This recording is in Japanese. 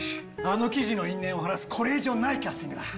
あの記事の因縁を晴らすこれ以上ないキャスティングだ。